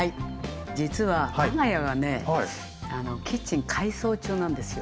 実は我が家はねキッチン改装中なんですよ。